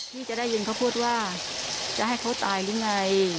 พี่จะได้ยินเขาพูดว่าจะให้เขาตายหรือไง